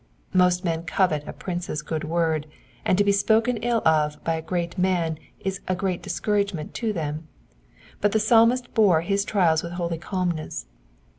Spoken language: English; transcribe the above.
Most men covet a prince's good word, and to be spoken ill of by a great man is a great discouragement to them, but the Psalmist bore his trial with holy calmness.